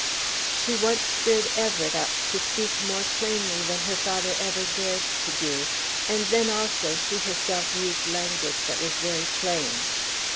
She once stirred Everett up to speak more plainly than her father ever dared to do, and then also she herself used language that was very plain.